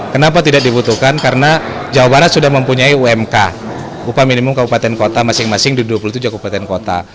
kenapa tidak dibutuhkan karena jawa barat sudah mempunyai umk upah minimum kabupaten kota masing masing di dua puluh tujuh kabupaten kota